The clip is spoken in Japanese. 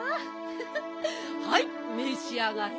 ハハッはいめしあがれ。